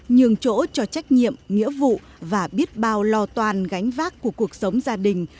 nhường chỗ cho trách nhiệm nghĩa vụ và biết bao lo toàn gánh vác của cuộc sống gia đình